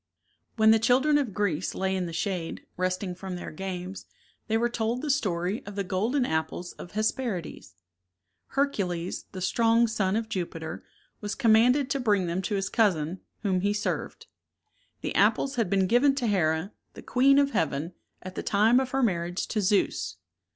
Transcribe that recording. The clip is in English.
When the children of Greece lay in the shade, resting from their games, they were told the story of the golden apples of Hesperides. Hercules, the strong son of Jupiter, was com manded to bring them to his cousin, whom he served. The apples had been given to Here, the queen of heaven, at the time of her marriage to Zeus.